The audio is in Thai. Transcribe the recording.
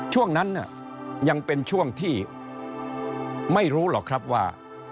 ช่วงนั้นยังเป็นช่วงที่ไม่รู้หรอกครับว่า